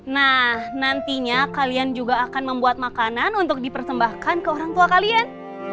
nah nantinya kalian juga akan membuat makanan untuk dipersembahkan ke orang tua kalian